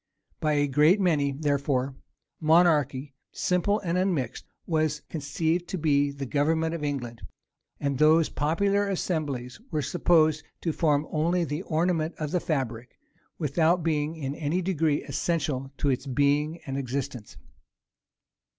By a great many, therefore, monarchy, simple and unmixed, was conceived to be the government of England; and those popular assemblies were supposed to form only the ornament of the fabric, without being in any degree essential to its being and existence.